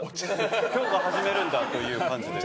今日が始まるんだという感じで。